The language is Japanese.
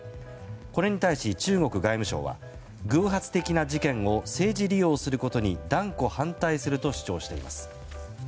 これに対し中国外務省は偶発的な事件を政治利用することに断固反対すると主張しています。